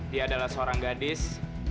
dia adalah seorang gadis